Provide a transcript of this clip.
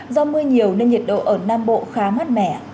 do mưa nhiều nên nhiệt độ ở nam bộ khá mát mẻ